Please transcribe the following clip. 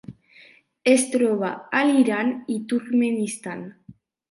Es troba a l'Iran i Turkmenistan.